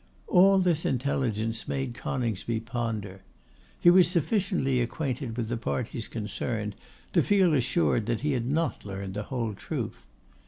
All this intelligence made Coningsby ponder. He was sufficiently acquainted with the parties concerned to feel assured that he had not learnt the whole truth.